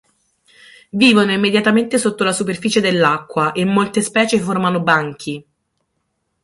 Vivono immediatamente sotto la superficie dell'acqua e molte specie formano banchi.